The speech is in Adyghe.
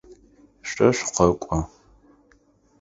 Шъо шъукъэкӏо.